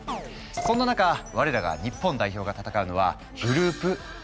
そんな中我らが日本代表が戦うのはグループＥ。